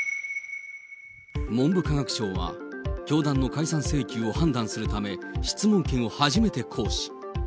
文部科学省は教団の解散請求を判断するため、質問権を初めて行使。